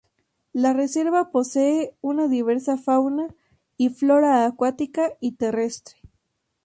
La reserva posee una diversa fauna y flora acuática y terrestre.